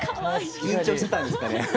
緊張してたんですかね。